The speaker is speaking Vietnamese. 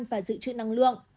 và giữ trữ năng lượng